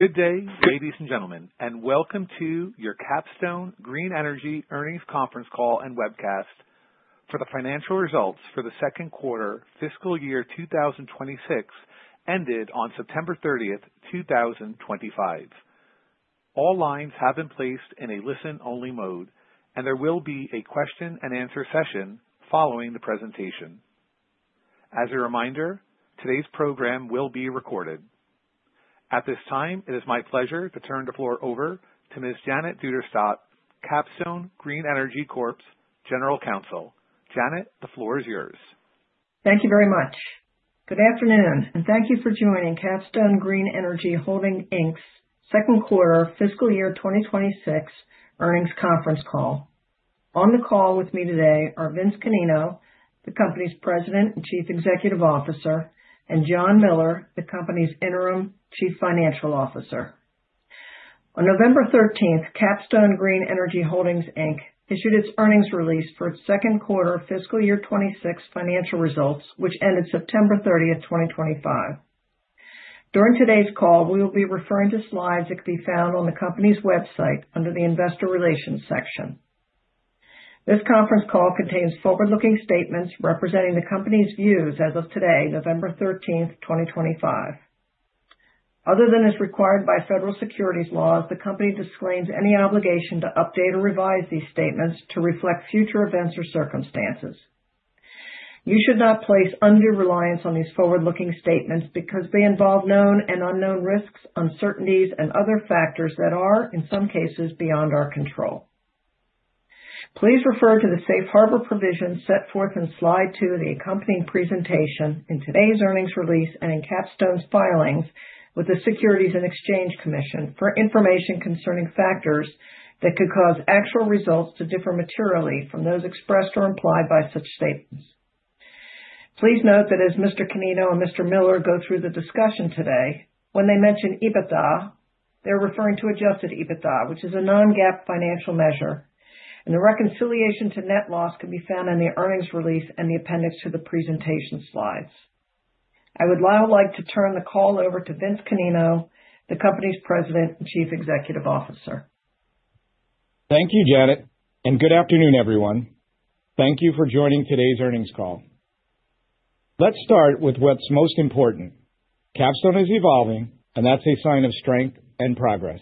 Good day, ladies and gentlemen, and welcome to your Capstone Green Energy earnings conference call and Webcast for the financial results for the second quarter, fiscal year 2026, ended on September 30th, 2025. All lines have been placed in a listen-only mode, and there will be a question-and-answer session following the presentation. As a reminder, today's program will be recorded. At this time, it is my pleasure to turn the floor over to Ms. Janet Duderstadt, Capstone Green Energy's General Counsel. Janet, the floor is yours. Thank you very much. Good afternoon, and thank you for joining Capstone Green Energy Holdings' second quarter, fiscal year 2026, earnings conference call. On the call with me today are Vince Canino, the company's President and Chief Executive Officer, and John Miller, the company's Interim Chief Financial Officer. On November 13th, Capstone Green Energy Holdings issued its earnings release for its second quarter, fiscal year 2026, financial results, which ended September 30th, 2025. During today's call, we will be referring to slides that can be found on the company's website under the investor relations section. This conference call contains forward-looking statements representing the company's views as of today, November 13th, 2025. Other than as required by federal securities laws, the company disclaims any obligation to update or revise these statements to reflect future events or circumstances. You should not place undue reliance on these forward-looking statements because they involve known and unknown risks, uncertainties, and other factors that are, in some cases, beyond our control. Please refer to the safe harbor provisions set forth in slide two of the accompanying presentation, in today's earnings release and in Capstone's filings with the Securities and Exchange Commission, for information concerning factors that could cause actual results to differ materially from those expressed or implied by such statements. Please note that as Mr. Canino and Mr. Miller go through the discussion today, when they mention EBITDA, they're referring to adjusted EBITDA, which is a non-GAAP financial measure, and the reconciliation to net loss can be found in the earnings release and the appendix to the presentation slides. I would now like to turn the call over to Vince Canino, the company's President and Chief Executive Officer. Thank you, Janet, and good afternoon, everyone. Thank you for joining today's earnings call. Let's start with what's most important. Capstone is evolving, and that's a sign of strength and progress.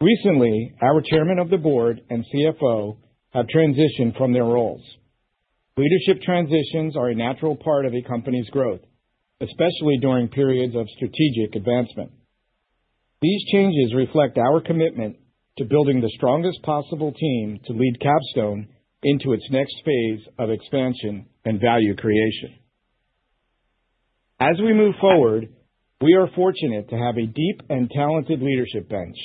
Recently, our Chairman of the Board and CFO have transitioned from their roles. Leadership transitions are a natural part of a company's growth, especially during periods of strategic advancement. These changes reflect our commitment to building the strongest possible team to lead Capstone into its next phase of expansion and value creation. As we move forward, we are fortunate to have a deep and talented leadership bench.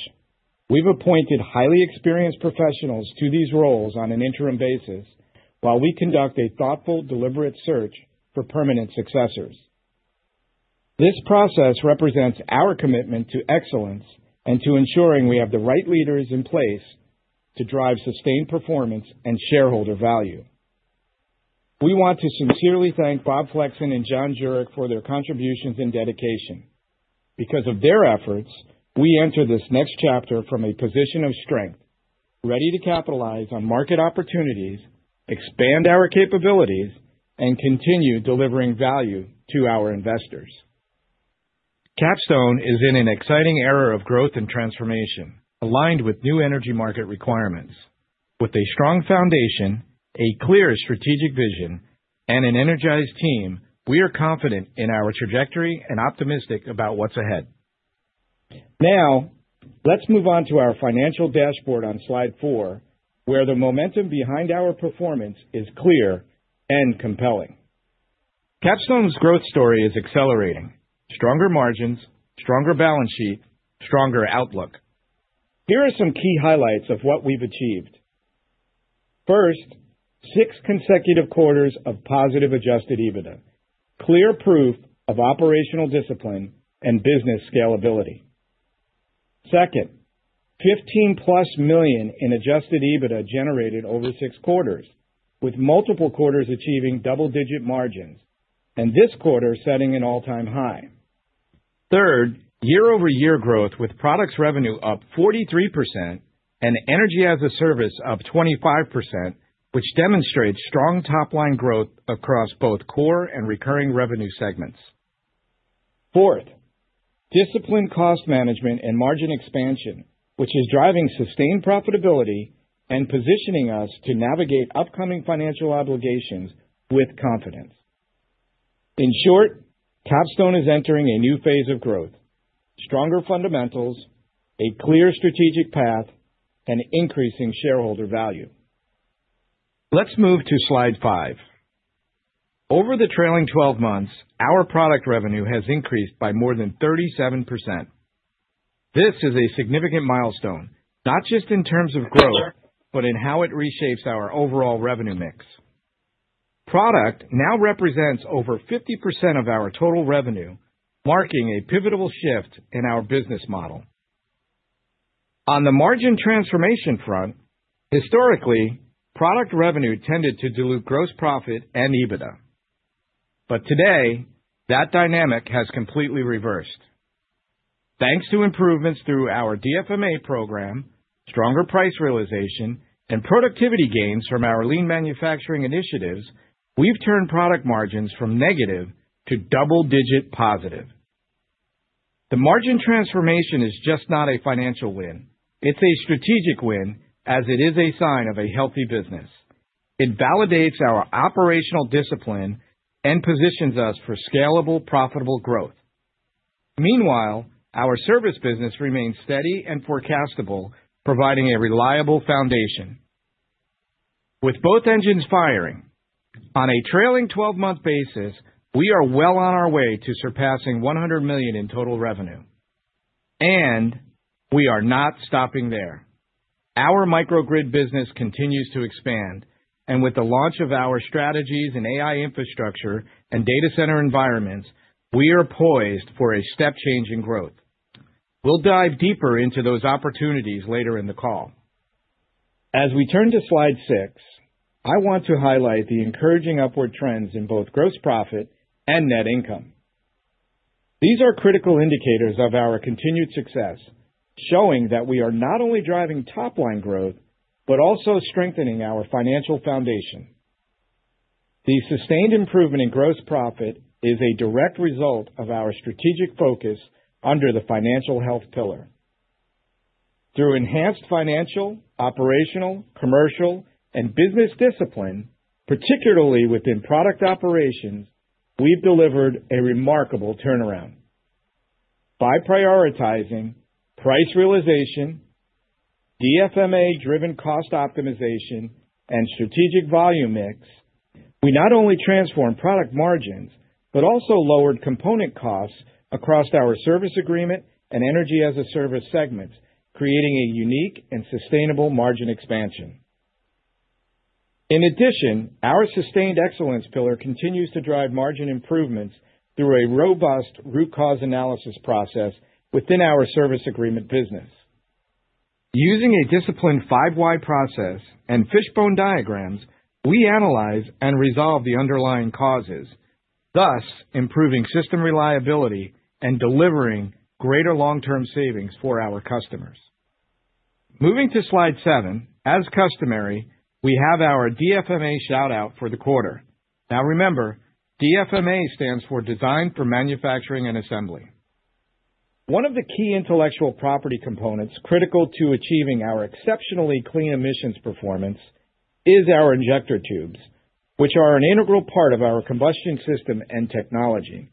We've appointed highly experienced professionals to these roles on an interim basis while we conduct a thoughtful, deliberate search for permanent successors. This process represents our commitment to excellence and to ensuring we have the right leaders in place to drive sustained performance and shareholder value. We want to sincerely thank Bob Flexon and John Juric for their contributions and dedication. Because of their efforts, we enter this next chapter from a position of strength, ready to capitalize on market opportunities, expand our capabilities, and continue delivering value to our investors. Capstone is in an exciting era of growth and transformation, aligned with new energy market requirements. With a strong foundation, a clear strategic vision, and an energized team, we are confident in our trajectory and optimistic about what's ahead. Now, let's move on to our financial dashboard on slide four, where the momentum behind our performance is clear and compelling. Capstone's growth story is accelerating: stronger margins, stronger balance sheet, stronger outlook. Here are some key highlights of what we've achieved. First, six consecutive quarters of positive Adjusted EBITDA, clear proof of operational discipline and business scalability. Second, $15+ million in Adjusted EBITDA generated over six quarters, with multiple quarters achieving double-digit margins and this quarter setting an all-time high. Third, year-over-year growth with products revenue up 43% and energy as a service up 25%, which demonstrates strong top-line growth across both core and recurring revenue segments. Fourth, disciplined cost management and margin expansion, which is driving sustained profitability and positioning us to navigate upcoming financial obligations with confidence. In short, Capstone is entering a new phase of growth: stronger fundamentals, a clear strategic path, and increasing shareholder value. Let's move to slide five. Over the trailing 12 months, our product revenue has increased by more than 37%. This is a significant milestone, not just in terms of growth, but in how it reshapes our overall revenue mix. Product now represents over 50% of our total revenue, marking a pivotal shift in our business model. On the margin transformation front, historically, product revenue tended to dilute gross profit and EBITDA. Today, that dynamic has completely reversed. Thanks to improvements through our DFMA program, stronger price realization, and productivity gains from our lean manufacturing initiatives, we have turned product margins from negative to double-digit positive. The margin transformation is not just a financial win. It is a strategic win, as it is a sign of a healthy business. It validates our operational discipline and positions us for scalable, profitable growth. Meanwhile, our service business remains steady and forecastable, providing a reliable foundation. With both engines firing, on a trailing 12-month basis, we are well on our way to surpassing $100 million in total revenue. We are not stopping there. Our microgrid business continues to expand, and with the launch of our strategies in AI infrastructure and data center environments, we are poised for a step-changing growth. We'll dive deeper into those opportunities later in the call. As we turn to slide six, I want to highlight the encouraging upward trends in both gross profit and net income. These are critical indicators of our continued success, showing that we are not only driving top-line growth, but also strengthening our financial foundation. The sustained improvement in gross profit is a direct result of our strategic focus under the financial health pillar. Through enhanced financial, operational, commercial, and business discipline, particularly within product operations, we've delivered a remarkable turnaround. By prioritizing price realization, DFMA-driven cost optimization, and strategic volume mix, we not only transformed product margins, but also lowered component costs across our service agreement and Energy-as-a-Service segments, creating a unique and sustainable margin expansion. In addition, our sustained excellence pillar continues to drive margin improvements through a robust root cause analysis process within our service agreement business. Using a disciplined five-why process and fishbone diagrams, we analyze and resolve the underlying causes, thus improving system reliability and delivering greater long-term savings for our customers. Moving to slide seven, as customary, we have our DFMA shout-out for the quarter. Now remember, DFMA stands for Design for Manufacturing and Assembly. One of the key intellectual property components critical to achieving our exceptionally clean emissions performance is our injector tubes, which are an integral part of our combustion system and technology.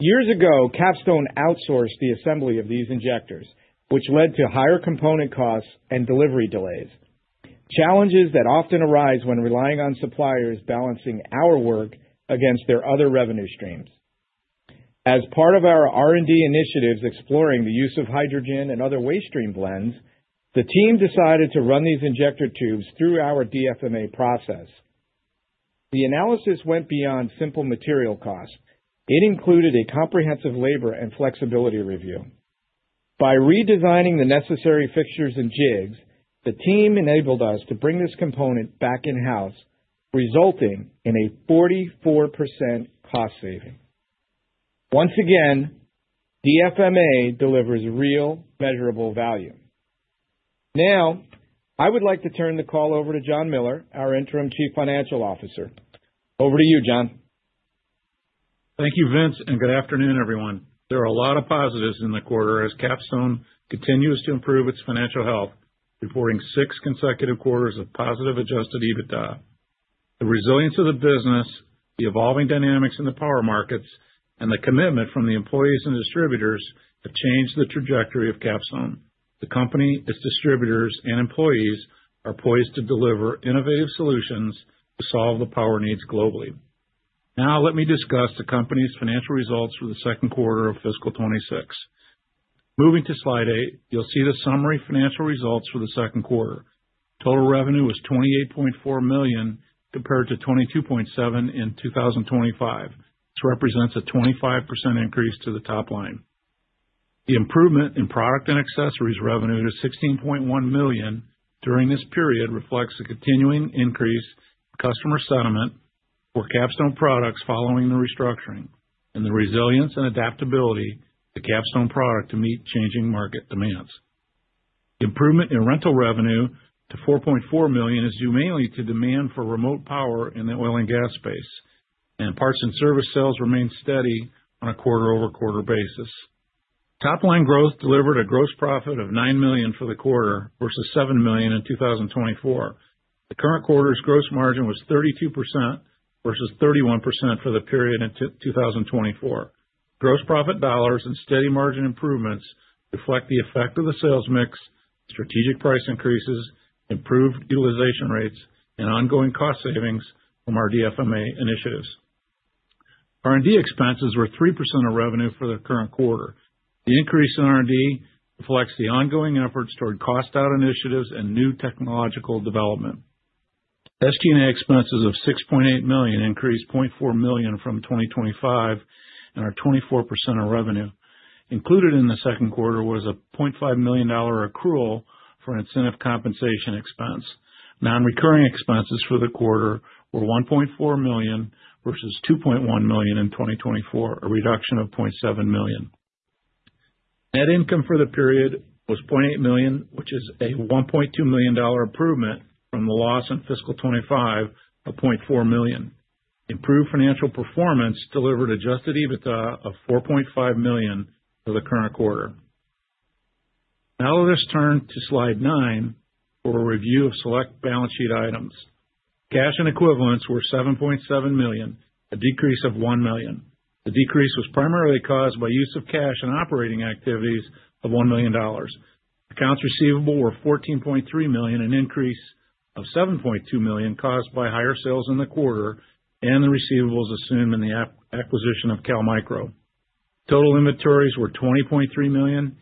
Years ago, Capstone outsourced the assembly of these injectors, which led to higher component costs and delivery delays, challenges that often arise when relying on suppliers balancing our work against their other revenue streams. As part of our R&D initiatives exploring the use of hydrogen and other waste stream blends, the team decided to run these injector tubes through our DFMA process. The analysis went beyond simple material costs. It included a comprehensive labor and flexibility review. By redesigning the necessary fixtures and jigs, the team enabled us to bring this component back in-house, resulting in a 44% cost saving. Once again, DFMA delivers real measurable value. Now, I would like to turn the call over to John Miller, our Interim Chief Financial Officer. Over to you, John. Thank you, Vince, and good afternoon, everyone. There are a lot of positives in the quarter as Capstone continues to improve its financial health, reporting six consecutive quarters of positive Adjusted EBITDA. The resilience of the business, the evolving dynamics in the power markets, and the commitment from the employees and distributors have changed the trajectory of Capstone. The company, its distributors, and employees are poised to deliver innovative solutions to solve the power needs globally. Now, let me discuss the company's financial results for the second quarter of fiscal 2026. Moving to slide eight, you'll see the summary financial results for the second quarter. Total revenue was $28.4 million compared to $22.7 million in 2025. This represents a 25% increase to the top line. The improvement in product and accessories revenue to $16.1 million during this period reflects the continuing increase in customer sentiment for Capstone products following the restructuring and the resilience and adaptability of the Capstone product to meet changing market demands. Improvement in rental revenue to $4.4 million is due mainly to demand for remote power in the oil and gas space, and parts and service sales remain steady on a quarter-over-quarter basis. Top-line growth delivered a gross profit of $9 million for the quarter versus $7 million in 2024. The current quarter's gross margin was 32% versus 31% for the period in 2024. Gross profit dollars and steady margin improvements reflect the effect of the sales mix, strategic price increases, improved utilization rates, and ongoing cost savings from our DFMA initiatives. R&D expenses were 3% of revenue for the current quarter. The increase in R&D reflects the ongoing efforts toward cost-out initiatives and new technological development. SG&A expenses of $6.8 million increased $0.4 million from 2025 and are 24% of revenue. Included in the second quarter was a $0.5 million accrual for incentive compensation expense. Non-recurring expenses for the quarter were $1.4 million versus $2.1 million in 2024, a reduction of $0.7 million. Net income for the period was $0.8 million, which is a $1.2 million improvement from the loss in fiscal 2025 of $0.4 million. Improved financial performance delivered Adjusted EBITDA of $4.5 million for the current quarter. Now let us turn to slide nine for a review of select balance sheet items. Cash and equivalents were $7.7 million, a decrease of $1 million. The decrease was primarily caused by use of cash in operating activities of $1 million. Accounts receivable were $14.3 million, an increase of $7.2 million caused by higher sales in the quarter and the receivables assumed in the acquisition of Cal Microturbine. Total inventories were $20.3 million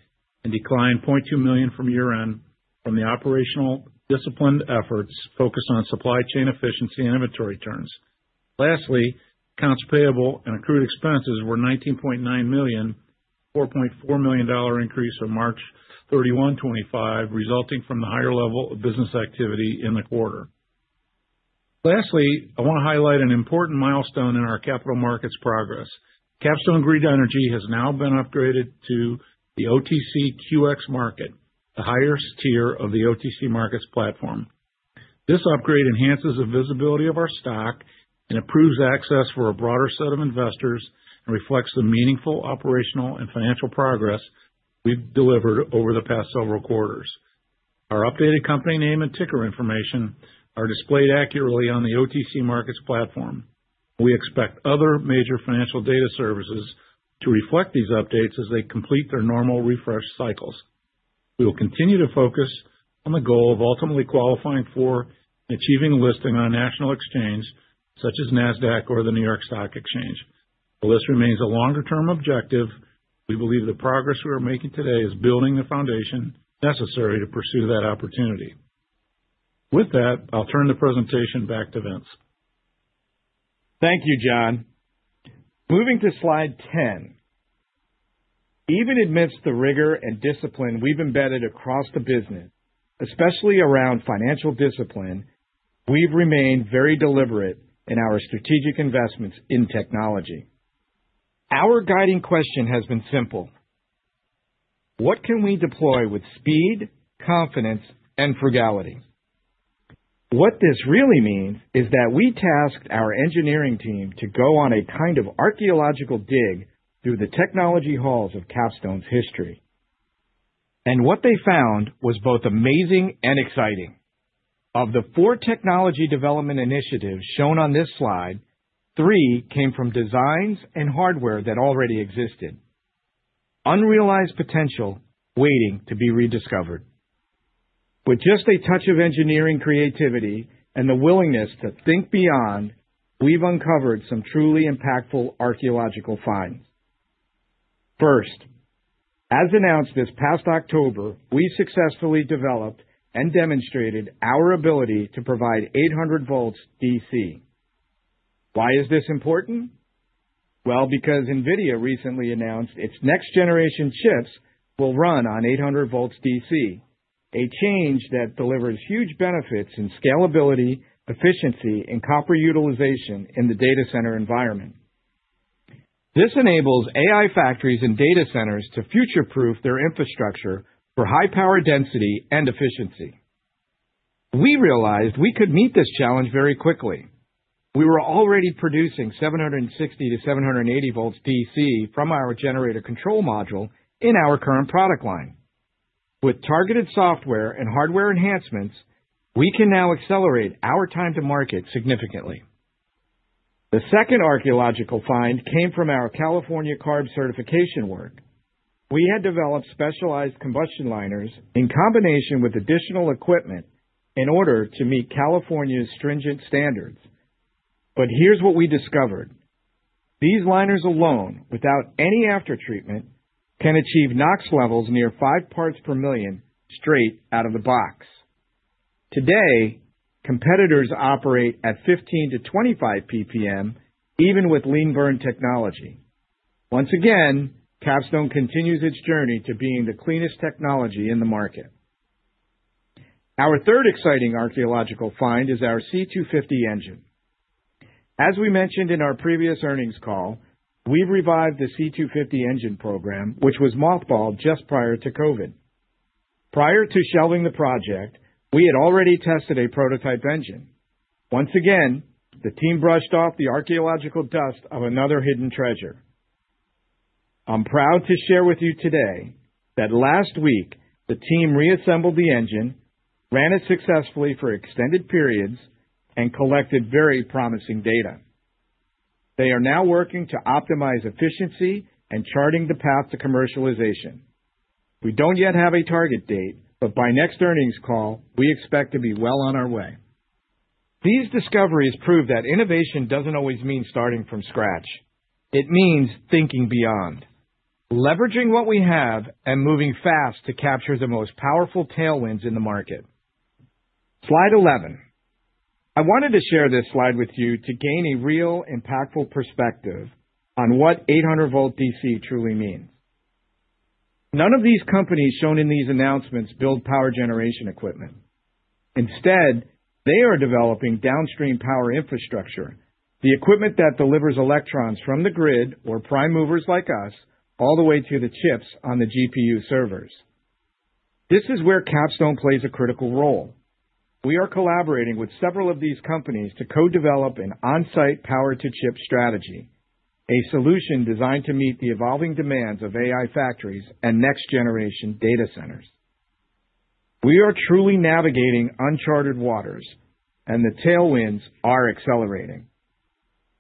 and declined $0.2 million from year-end from the operational disciplined efforts focused on supply chain efficiency and inventory turns. Lastly, accounts payable and accrued expenses were $19.9 million, a $4.4 million increase from March 31, 2025, resulting from the higher level of business activity in the quarter. Lastly, I want to highlight an important milestone in our capital markets progress. Capstone Green Energy has now been upgraded to the OTCQX market, the highest tier of the OTC Markets platform. This upgrade enhances the visibility of our stock and improves access for a broader set of investors and reflects the meaningful operational and financial progress we've delivered over the past several quarters. Our updated company name and ticker information are displayed accurately on the OTC Markets platform. We expect other major financial data services to reflect these updates as they complete their normal refresh cycles. We will continue to focus on the goal of ultimately qualifying for and achieving a listing on a national exchange such as NASDAQ or the New York Stock Exchange. While this remains a longer-term objective, we believe the progress we are making today is building the foundation necessary to pursue that opportunity. With that, I'll turn the presentation back to Vince. Thank you, John. Moving to slide 10, even amidst the rigor and discipline we have embedded across the business, especially around financial discipline, we have remained very deliberate in our strategic investments in technology. Our guiding question has been simple: What can we deploy with speed, confidence, and frugality? What this really means is that we tasked our engineering team to go on a kind of archaeological dig through the technology halls of Capstone's history. What they found was both amazing and exciting. Of the four technology development initiatives shown on this slide, three came from designs and hardware that already existed: unrealized potential waiting to be rediscovered. With just a touch of engineering creativity and the willingness to think beyond, we have uncovered some truly impactful archaeological finds. First, as announced this past October, we successfully developed and demonstrated our ability to provide 800 volts D. C. Why is this important? Because NVIDIA recently announced its next-generation chips will run on 800 volts D. C., a change that delivers huge benefits in scalability, efficiency, and copper utilization in the data center environment. This enables AI factories and data centers to future-proof their infrastructure for high power density and efficiency. We realized we could meet this challenge very quickly. We were already producing 760-780 volts D. C. from our generator control module in our current product line. With targeted software and hardware enhancements, we can now accelerate our time to market significantly. The second archaeological find came from our California CARB certification work. We had developed specialized combustion liners in combination with additional equipment in order to meet California's stringent standards. Here's what we discovered. These liners alone, without any after-treatment, can achieve NOx levels near 5 ppm straight out of the box. Today, competitors operate at 15 ppm-25 ppm, even with lean burn technology. Once again, Capstone continues its journey to being the cleanest technology in the market. Our third exciting archaeological find is our C250 engine. As we mentioned in our previous earnings call, we've revived the C250 engine program, which was mothballed just prior to COVID. Prior to shelving the project, we had already tested a prototype engine. Once again, the team brushed off the archaeological dust of another hidden treasure. I'm proud to share with you today that last week, the team reassembled the engine, ran it successfully for extended periods, and collected very promising data. They are now working to optimize efficiency and charting the path to commercialization. We don't yet have a target date, but by next earnings call, we expect to be well on our way. These discoveries prove that innovation does not always mean starting from scratch. It means thinking beyond, leveraging what we have, and moving fast to capture the most powerful tailwinds in the market. Slide 11. I wanted to share this slide with you to gain a real, impactful perspective on what 800 volts DC truly means. None of these companies shown in these announcements build power generation equipment. Instead, they are developing downstream power infrastructure, the equipment that delivers electrons from the grid or prime movers like us all the way to the chips on the GPU servers. This is where Capstone plays a critical role. We are collaborating with several of these companies to co-develop an on-site power-to-chip strategy, a solution designed to meet the evolving demands of AI factories and next-generation data centers. We are truly navigating uncharted waters, and the tailwinds are accelerating.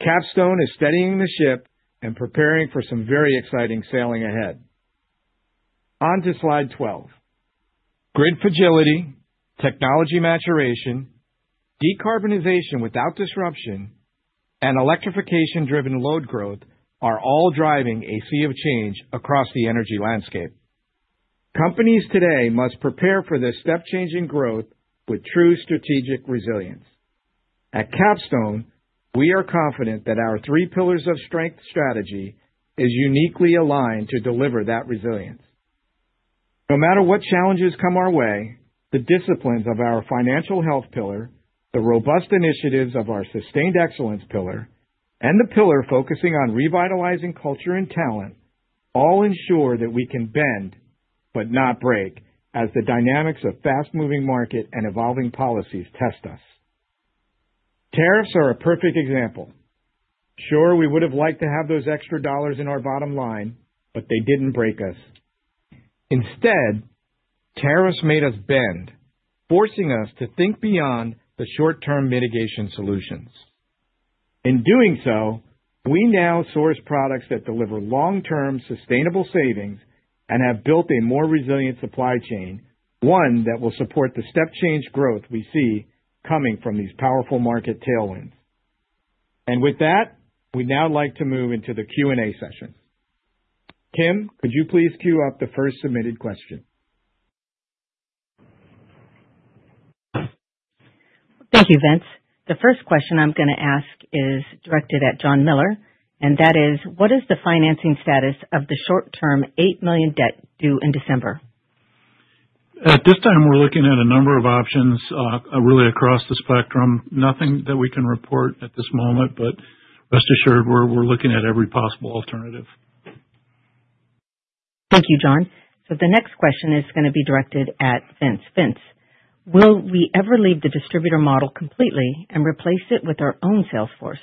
Capstone is steadying the ship and preparing for some very exciting sailing ahead. On to slide 12. Grid fragility, technology maturation, decarbonization without disruption, and electrification-driven load growth are all driving a sea of change across the energy landscape. Companies today must prepare for this step-changing growth with true strategic resilience. At Capstone, we are confident that our three pillars of strength strategy is uniquely aligned to deliver that resilience. No matter what challenges come our way, the disciplines of our financial health pillar, the robust initiatives of our sustained excellence pillar, and the pillar focusing on revitalizing culture and talent all ensure that we can bend but not break as the dynamics of fast-moving market and evolving policies test us. Tariffs are a perfect example. Sure, we would have liked to have those extra dollars in our bottom line, but they did not break us. Instead, tariffs made us bend, forcing us to think beyond the short-term mitigation solutions. In doing so, we now source products that deliver long-term sustainable savings and have built a more resilient supply chain, one that will support the step-change growth we see coming from these powerful market tailwinds. With that, we'd now like to move into the Q&A session. Kim, could you please queue up the first submitted question? Thank you, Vince. The first question I'm going to ask is directed at John Miller, and that is, what is the financing status of the short-term $8 million debt due in December? At this time, we're looking at a number of options really across the spectrum. Nothing that we can report at this moment, but rest assured, we're looking at every possible alternative. Thank you, John. The next question is going to be directed at Vince. Vince, will we ever leave the distributor model completely and replace it with our own Salesforce?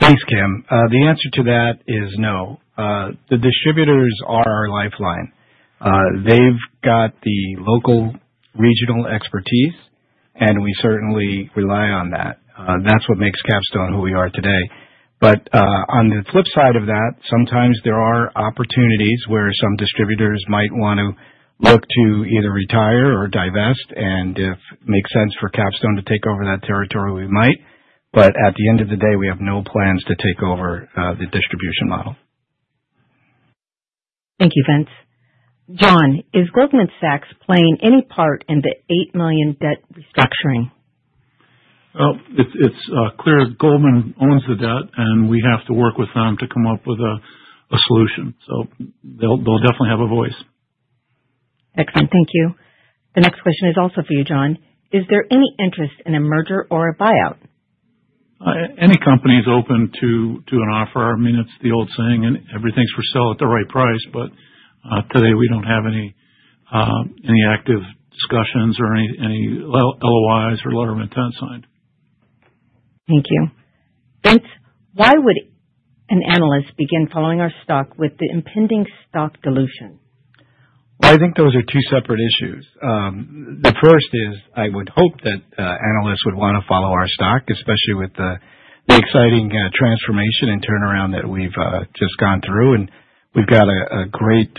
Thanks, Kim. The answer to that is no. The distributors are our lifeline. They've got the local regional expertise, and we certainly rely on that. That's what makes Capstone who we are today. On the flip side of that, sometimes there are opportunities where some distributors might want to look to either retire or divest. If it makes sense for Capstone to take over that territory, we might. At the end of the day, we have no plans to take over the distribution model. Thank you, Vince. John, is Goldman Sachs playing any part in the $8 million debt restructuring? It is clear Goldman Sachs owns the debt, and we have to work with them to come up with a solution. So they'll definitely have a voice. Excellent. Thank you. The next question is also for you, John. Is there any interest in a merger or a buyout? Any company is open to an offer. I mean, it's the old saying, "Everything's for sale at the right price." Today, we don't have any active discussions or any LOIs or letter of intent signed. Thank you. Vince, why would an analyst begin following our stock with the impending stock dilution? I think those are two separate issues. The first is I would hope that analysts would want to follow our stock, especially with the exciting transformation and turnaround that we've just gone through. We've got a great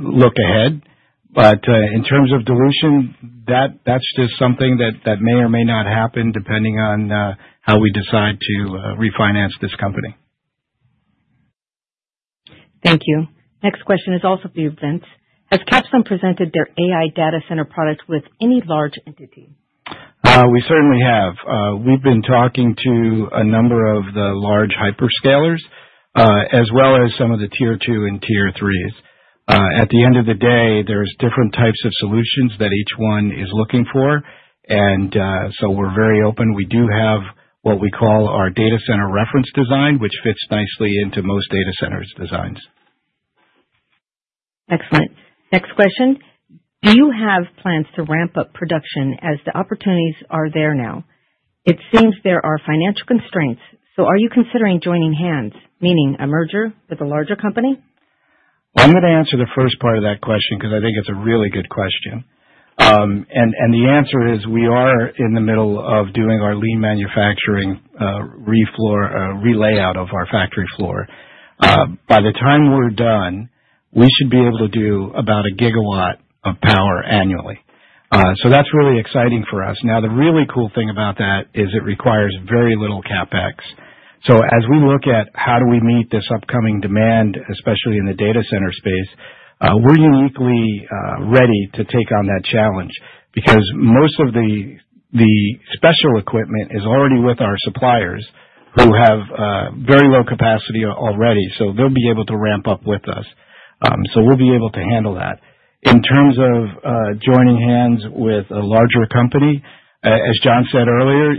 look ahead. In terms of dilution, that's just something that may or may not happen depending on how we decide to refinance this company. Thank you. Next question is also for you, Vince. Has Capstone presented their AI data center product with any large entity? We certainly have. We've been talking to a number of the large hyperscalers as well as some of the tier two and tier threes. At the end of the day, there are different types of solutions that each one is looking for. We are very open. We do have what we call our data center reference design, which fits nicely into most data centers' designs. Excellent. Next question. Do you have plans to ramp up production as the opportunities are there now? It seems there are financial constraints, so are you considering joining hands, meaning a merger with a larger company? I'm going to answer the first part of that question because I think it's a really good question. The answer is we are in the middle of doing our lean manufacturing relayout of our factory floor. By the time we're done, we should be able to do about a gigawatt of power annually. That's really exciting for us. Now, the really cool thing about that is it requires very little CapEx. As we look at how do we meet this upcoming demand, especially in the data center space, we're uniquely ready to take on that challenge because most of the special equipment is already with our suppliers who have very low capacity already. They'll be able to ramp up with us. We'll be able to handle that. In terms of joining hands with a larger company, as John said earlier,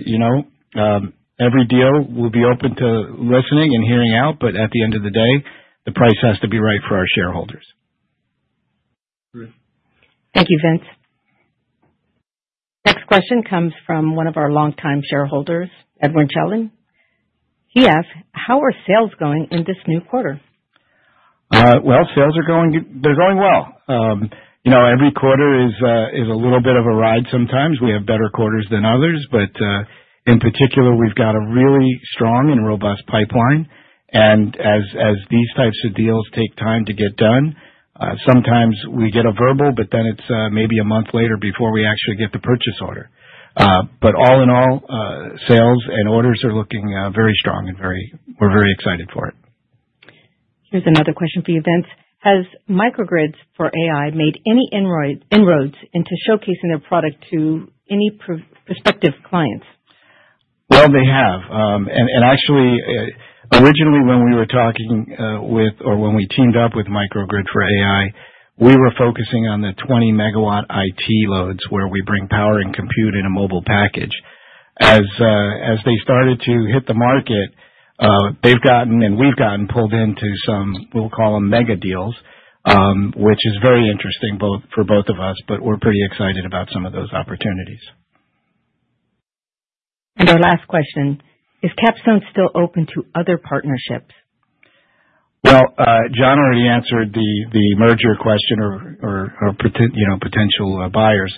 every deal will be open to listening and hearing out. At the end of the day, the price has to be right for our shareholders. Thank you, Vince. Next question comes from one of our longtime shareholders, Edwin Chelin. He asks, how are sales going in this new quarter? Sales are going well. Every quarter is a little bit of a ride sometimes. We have better quarters than others. In particular, we've got a really strong and robust pipeline. As these types of deals take time to get done, sometimes we get a verbal, but then it's maybe a month later before we actually get the purchase order. All in all, sales and orders are looking very strong, and we're very excited for it. Here's another question for you, Vince. Has Microgrids for AI made any inroads into showcasing their product to any prospective clients? They have. Actually, originally, when we were talking with or when we teamed up with microgrids for AI, we were focusing on the 20 MW IT loads where we bring power and compute in a mobile package. As they started to hit the market, they've gotten and we've gotten pulled into some, we'll call them mega deals, which is very interesting for both of us, but we're pretty excited about some of those opportunities. Our last question is, Capstone still open to other partnerships? John already answered the merger question or potential buyers.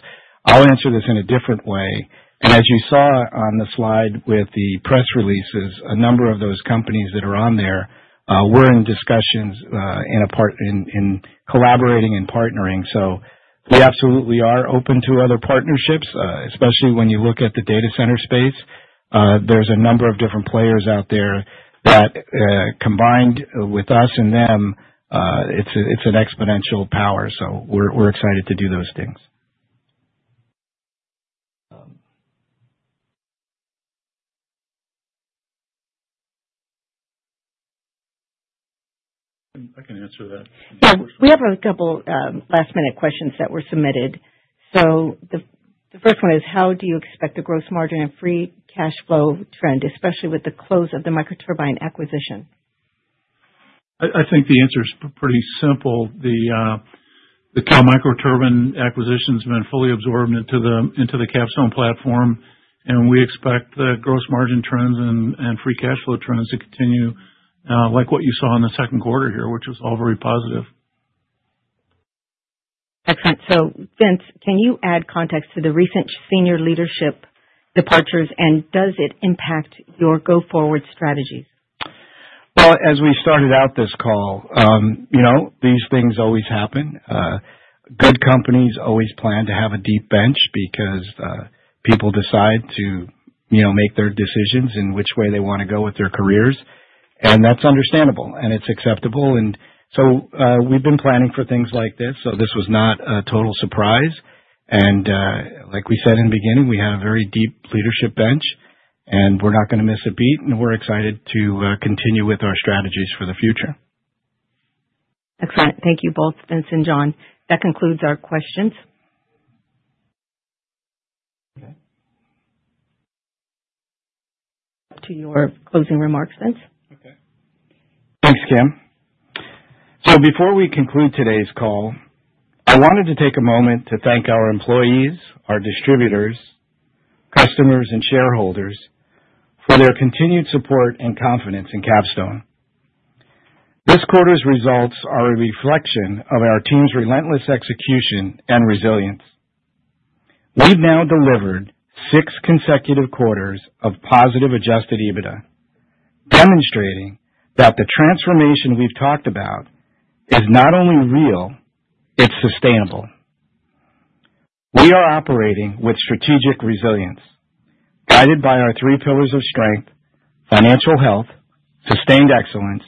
I'll answer this in a different way. As you saw on the slide with the press releases, a number of those companies that are on there were in discussions in collaborating and partnering. We absolutely are open to other partnerships, especially when you look at the data center space. There's a number of different players out there that combined with us and them, it's an exponential power. We're excited to do those things. I can answer that. We have a couple of last-minute questions that were submitted. The first one is, how do you expect the gross margin and free cash flow trend, especially with the close of the microturbine acquisition? I think the answer is pretty simple. The Cal Microturbine acquisition has been fully absorbed into the Capstone platform, and we expect the gross margin trends and free cash flow trends to continue like what you saw in the second quarter here, which was all very positive. Excellent. Vince, can you add context to the recent senior leadership departures, and does it impact your go-forward strategies? As we started out this call, these things always happen. Good companies always plan to have a deep bench because people decide to make their decisions in which way they want to go with their careers. That is understandable, and it is acceptable. We have been planning for things like this, so this was not a total surprise. Like we said in the beginning, we had a very deep leadership bench, and we are not going to miss a beat, and we are excited to continue with our strategies for the future. Excellent. Thank you both, Vince and John. That concludes our questions. Okay. To your closing remarks, Vince? Okay. Thanks, Kim. Before we conclude today's call, I wanted to take a moment to thank our employees, our distributors, customers, and shareholders for their continued support and confidence in Capstone. This quarter's results are a reflection of our team's relentless execution and resilience. We've now delivered six consecutive quarters of positive Adjusted EBITDA, demonstrating that the transformation we've talked about is not only real, it's sustainable. We are operating with strategic resilience guided by our three pillars of strength: financial health, sustained excellence,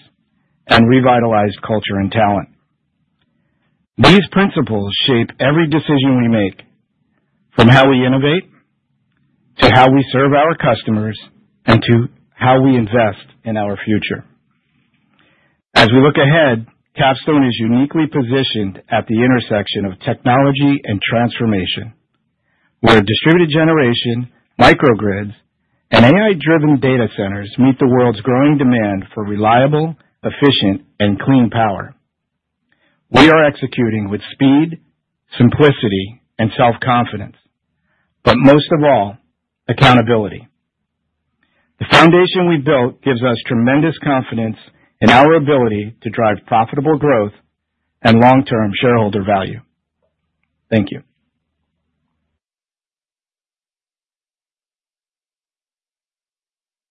and revitalized culture and talent. These principles shape every decision we make, from how we innovate to how we serve our customers and to how we invest in our future. As we look ahead, Capstone is uniquely positioned at the intersection of technology and transformation, where distributed generation, microgrids, and AI-driven data centers meet the world's growing demand for reliable, efficient, and clean power. We are executing with speed, simplicity, and self-confidence, but most of all, accountability. The foundation we built gives us tremendous confidence in our ability to drive profitable growth and long-term shareholder value. Thank you.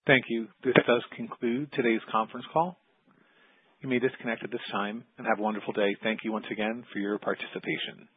Thank you. This does conclude today's conference call. You may disconnect at this time and have a wonderful day. Thank you once again for your participation.